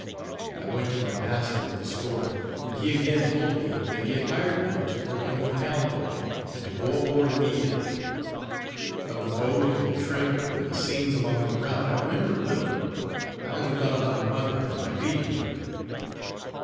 I went to my master at the store, and he again told me that he had hired me to work on the canal boat, and to go aboard immediately. Of the boat and the trip and the scenes along the route I remember little I only thought of my mother and my leaving her.